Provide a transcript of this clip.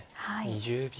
２０秒。